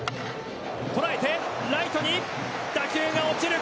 捉えて、ライトに打球が落ちる。